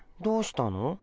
どうしたの？